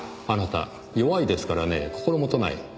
あなた弱いですからね心許ない。